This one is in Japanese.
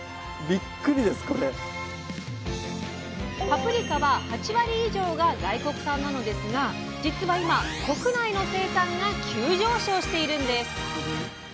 パプリカは８割以上が外国産なのですがじつは今国内の生産が急上昇しているんです！